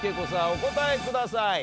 お答えください。